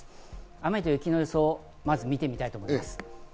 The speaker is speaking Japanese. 雨と雪の予想をまず見てみたいと思います。